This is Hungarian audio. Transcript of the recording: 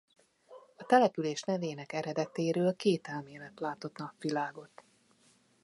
A település nevének eredetéről két elmélet látott napvilágot.